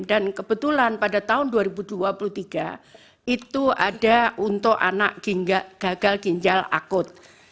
dan kebetulan pada tahun dua ribu dua puluh tiga itu ada untuk anak gagal ginjal akut